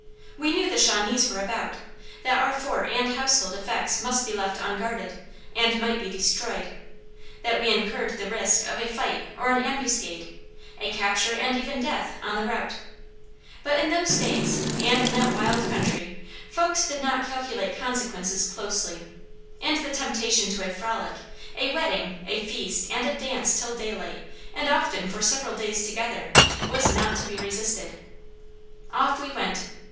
We knew the Shawnees were about; that our fort and household effects must be left unguarded and might be destroyed; that we incurred the risk of a fight or an ambuscade, a capture, and even death, on the route; but in those days, and in that wild country, folks did not calculate consequences closely, and the temptation to a frolic, a wedding, a feast, and a dance till daylight and often for several days together, was not to be resisted. Off we went.